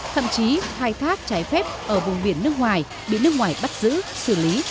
thậm chí khai thác trái phép ở vùng biển nước ngoài bị nước ngoài bắt giữ xử lý